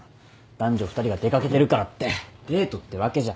男女２人が出掛けてるからってデートってわけじゃ。